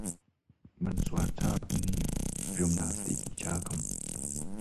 من سواری چاک نییم، ژیمناستیکی چاکم!